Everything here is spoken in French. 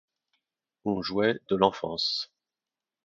On jouait de l’enfance.